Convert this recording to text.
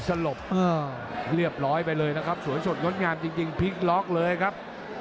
สลบเรียบร้อยไปเลยนะครับสวยสดงดงามจริงพลิกล็อกเลยครับ